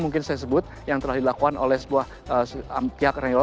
mungkin saya sebut yang telah dilakukan oleh sebuah pihak raniwal